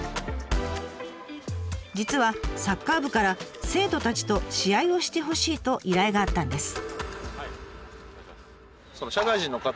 実はサッカー部から生徒たちと試合をしてほしいと依頼があったんです。